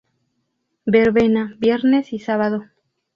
Verbena, viernes y sábado.